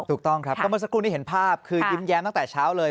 ถูกต้องครับก็เมื่อสักครู่นี้เห็นภาพคือยิ้มแย้มตั้งแต่เช้าเลย